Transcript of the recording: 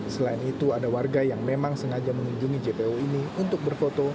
selain itu ada warga yang memang sengaja mengunjungi jpo ini untuk berfoto